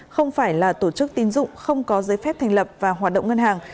không phải là tổ chức tín dụng không có giấy phép thành lập và hoạt động ngân hàng